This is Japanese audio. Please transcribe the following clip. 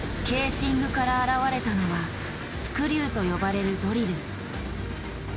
ケーシングから現れたのはスクリューと呼ばれるドリル。